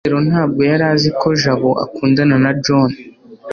rusufero ntabwo yari azi ko jabo akundana na john